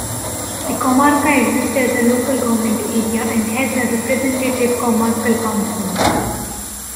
The comarca exists as a local government area, and has a representative comarcal council.